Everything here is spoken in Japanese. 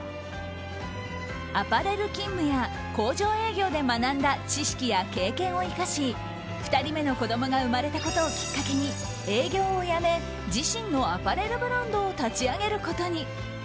アパレル勤務や工場営業で学んだ知識や経験を生かし２人目の子供が生まれたことをきっかけに営業をやめ自身のアパレルブランドを立ち上げることに。